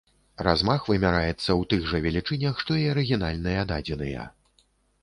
Размах вымяраецца ў тых жа велічынях, што і арыгінальныя дадзеныя.